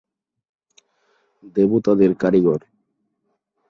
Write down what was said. দেবতাদের কারিগর।